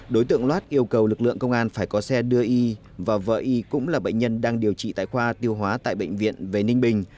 đối tượng loát yêu cầu lực lượng công an phải có xe đưa y và vợ y cũng là bệnh nhân đang điều trị tại khoa tiêu hóa tại bệnh viện về ninh bình